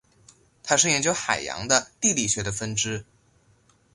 它是研究海洋的地理学的分支。